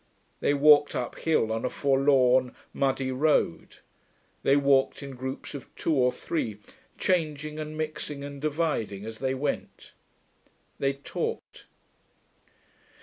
They walked uphill, on a forlorn, muddy road. They walked in groups of two or three, changing and mixing and dividing as they went. They talked....